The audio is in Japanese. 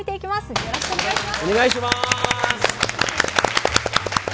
よろしくお願いします。